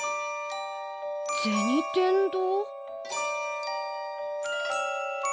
銭天堂？